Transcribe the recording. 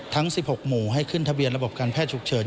ทั้ง๑๖หมู่ให้ขึ้นทะเบียนระบบการแพทย์ฉุกเฉิน